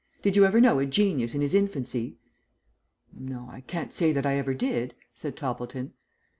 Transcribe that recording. Did you ever know a genius in his infancy?" "No; I can't say that I ever did," said Toppleton.